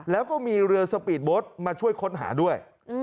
แล้วก็มีเรือสปีดโบ๊ทมาช่วยค้นหาด้วย